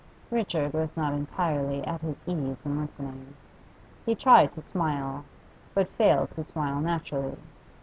Richard was not entirely at his ease in listening. He tried to smile, but failed to smile naturally.